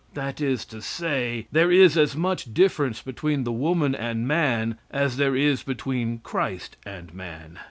That is to say, there is as much difference between the woman and man as there is between Christ and man.